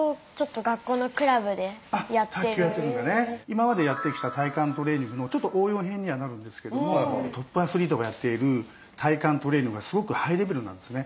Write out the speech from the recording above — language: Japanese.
今までやってきた体幹トレーニングのちょっと応用編にはなるんですけどもトップアスリートがやっている体幹トレーニングのほうがすごくハイレベルなんですね。